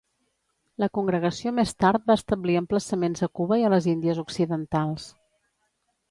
La congregació més tard va establir emplaçaments a Cuba i a les Índies Occidentals.